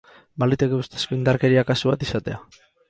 Baliteke ustezko indarkeria kasu bat izatea.